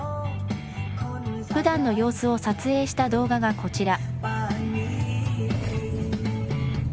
ふだんの様子を撮影した動画がこちら。